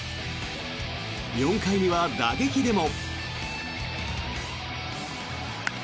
４回には打撃でも。